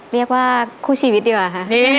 เรียกว่าคู่ชีวิตดีกว่าค่ะ